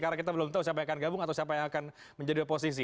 karena kita belum tahu siapa yang akan gabung atau siapa yang akan menjadi oposisi